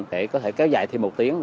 để có thể kéo dài thêm một tiếng